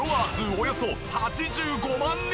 およそ８５万人！